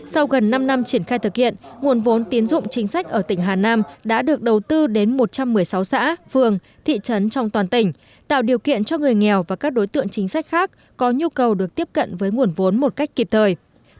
sau gần năm năm triển khai thực hiện nguồn vốn tiến dụng chính sách ở tỉnh hà nam đã được đầu tư đến một trăm một mươi sáu xã phường thị trấn trong toàn tỉnh tạo điều kiện cho người nghèo và các đối tượng chính sách khác có nhu cầu được tiếp cận với nguồn vốn một cách kịp thời